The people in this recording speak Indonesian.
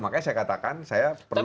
makanya saya katakan saya perlu